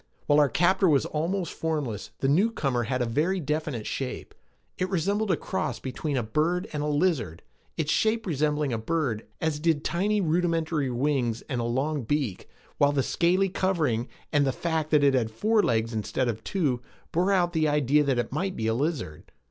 While our captor was almost formless, the newcomer had a very definite shape. It resembled a cross between a bird and a lizard, its shape resembling a bird, as did tiny rudimentary wings and a long beak, while the scaly covering and the fact that it had four legs instead of two bore out the idea that it might be a lizard.